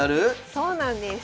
そうなんです。